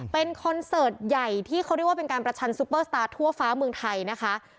เป็นคอนเสิร์ตใหญ่ที่เขาเรียกว่าเป็นการประชันซูเปอร์สตาร์ทั่วฟ้าเมืองไทยนะคะ